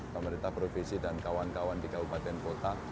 pemerintah provinsi dan kawan kawan di kabupaten kota